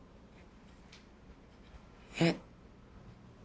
えっ？